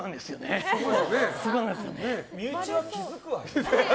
身内は気づくわよ。